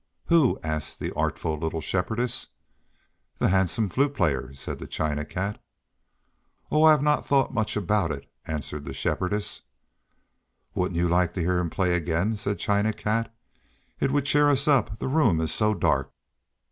"Who?" asked the artful little Shepherdess. "The handsome Flute Player," said China Cat. "Oh, I have not thought much about it," answered the Shepherdess. "Wouldn't you like to hear him play again?" said China Cat. "It would cheer us up, the room is so dark."